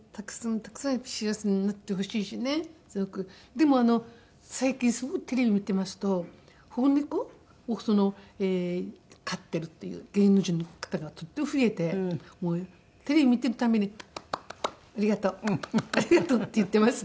でも最近すごくテレビ見てますと保護猫を飼ってるっていう芸能人の方がとっても増えてもうテレビ見てるたんびに「ありがとう」「ありがとう」って言ってますね。